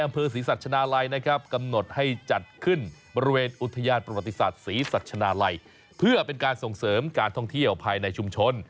เพื่อเป็นการส่งเสริมการท่องเที่ยวภายในชุมชน